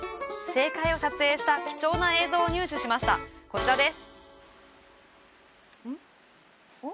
正解を撮影した貴重な映像を入手しましたこちらです